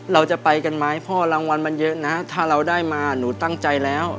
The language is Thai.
เราจะไปกันไหมพ่อรางวัลมันเยอะนะถ้าเราได้มาหนูตั้งใจแล้ว